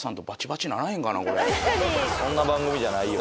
そんな番組じゃないよ。